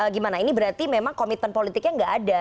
gimana ini berarti memang komitmen politiknya nggak ada